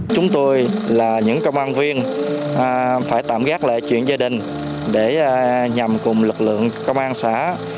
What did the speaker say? chúng tôi là những công an viên phải tạm gác lại chuyện gia đình để nhằm cùng lực lượng công an xã